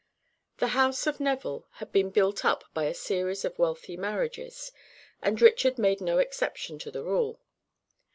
The house of Neville had been built up by a series of wealthy marriages, and Richard made no exception to the rule.